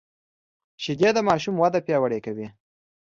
شیدې د ماشوم وده پیاوړې کوي